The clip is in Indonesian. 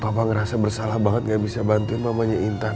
papa ngerasa bersalah banget gak bisa bantuin mamanya intan